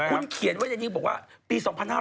คุณเขียนไว้อย่างนี้บอกว่าปี๒๕๕๙